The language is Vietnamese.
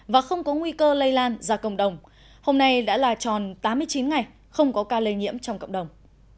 và không có nguy cơ lây lan ra cộng đồng hôm nay đã là tròn tám mươi chín ngày không có ca lây nhiễm trong cộng đồng